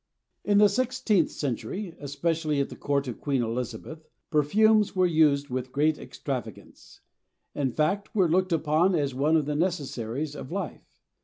In the sixteenth century, especially at the court of Queen Elizabeth, perfumes were used with great extravagance; in fact, were looked upon as one of the necessaries of life.